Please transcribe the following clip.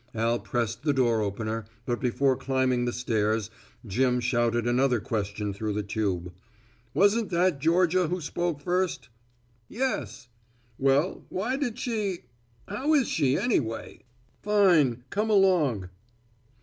Al pressed the door opener, but before climbing the stairs Jim shouted another question through the tube: "Wasn't that Georgia who spoke first?" "Yes." "Well, why did she how is she, anyway!" "Fine. Come along."